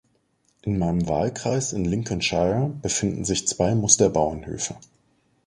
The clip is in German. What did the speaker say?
In meinem Wahlkreis in Lincolnshire befinden sich zwei Musterbauernhöfe.